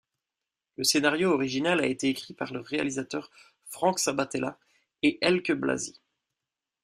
Le scénario original a été écrit par le réalisateur Frank Sabatella et Elke Blasi.